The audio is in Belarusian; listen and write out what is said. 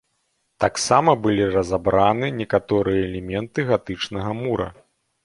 Таксама былі разабраны некаторыя элементы гатычнага мура.